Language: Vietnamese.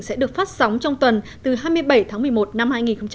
sẽ được phát sóng trong tuần từ hai mươi bảy tháng một mươi một năm hai nghìn hai mươi